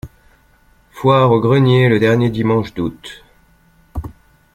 Foire aux greniers le dernier dimanche d'août.